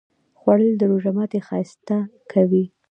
خوړل د روژه ماتی ښایسته کوي